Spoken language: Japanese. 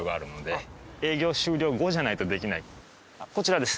こちらです。